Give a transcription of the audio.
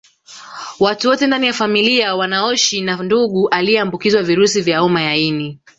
Watu wote ndani ya familia wanaoshi na ndugu aliyeambukizwa virusi vya homa ya ini